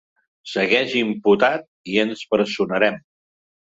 Segueix imputat i ens personarem.